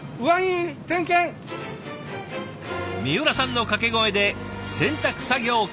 三浦さんの掛け声で洗濯作業開始！